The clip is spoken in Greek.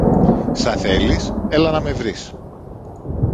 Σα θέλεις, έλα να με βρεις.